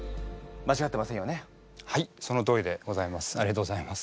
はいそのとおりでございます。